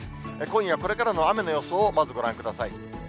今夜これからの雨の予想をまずご覧ください。